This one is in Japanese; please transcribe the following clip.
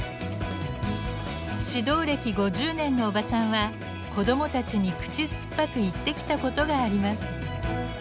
指導歴５０年のおばちゃんは子供たちに口酸っぱく言ってきたことがあります。